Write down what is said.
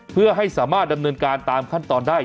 เพื่อให้สามารถดำเนินการตามขั้นตอนได้